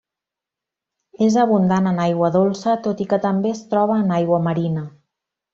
És abundant en aigua dolça tot i que també es troba en aigua marina.